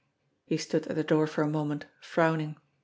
He stood at the door for a moment frowning.